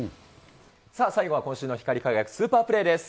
さあ、最後は今週の光り輝くスーパープレーです。